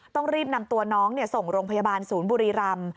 ต้องรีบนำตัวน้องส่งโรงพยาบาลศูนย์บุรีรำ